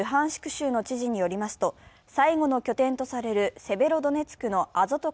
州の知事によりますと最後の拠点とされるセベロドネツクのアゾト